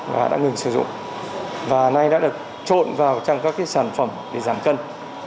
và đã ngừng sử dụng và nay đã được trộn vào trong các sản phẩm để giảm cân